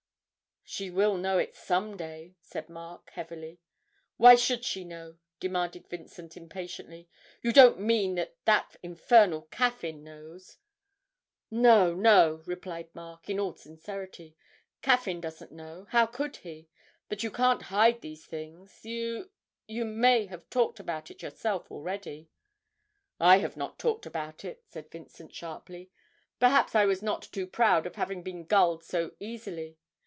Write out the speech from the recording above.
'She will know it some day,' said Mark, heavily. 'Why should she know?' demanded Vincent, impatiently; 'you don't mean that that infernal Caffyn knows?' 'No, no,' replied Mark, in all sincerity; 'Caffyn doesn't know how could he? But you can't hide these things: you you may have talked about it yourself already!' 'I have not talked about it!' said Vincent, sharply; 'perhaps I was not too proud of having been gulled so easily.